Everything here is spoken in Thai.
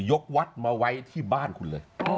ยกวัดมาไว้ที่บ้านคุณเลย